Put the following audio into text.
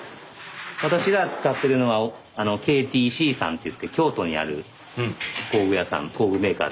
私ら使ってるのはＫＴＣさんっていって京都にある工具屋さん工具メーカー。